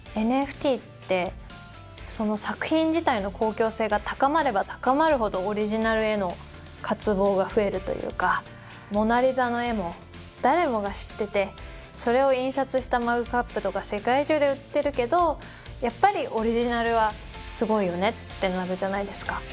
ＮＦＴってその作品自体の公共性が高まれば高まるほどオリジナルへの渇望が増えるというか「モナ・リザ」の絵も誰もが知っててそれを印刷したマグカップとか世界中で売ってるけど「やっぱりオリジナルはすごいよね」ってなるじゃないですか。